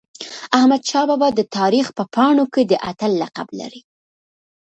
احمدشاه بابا د تاریخ په پاڼو کي د اتل لقب لري.